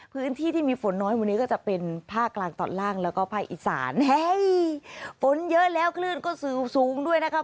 พื้นที่ที่มีฝนน้อยวันนี้ก็จะเป็นภาคกลางตอนล่างแล้วก็ภาคอีสานฝนเยอะแล้วคลื่นก็สูงสูงด้วยนะคะ